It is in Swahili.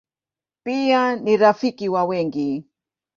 Pia ni rafiki wa wengi.